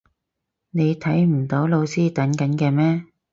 你睇唔到老師等緊嘅咩？